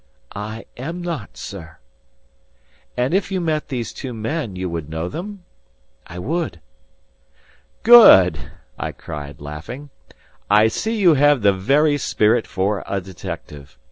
"I am not, sir." "And if you met these two men, you would know them?" "I would." "Good;" I cried, laughing, "I see you have the very spirit for a detective.